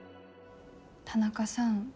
田中さん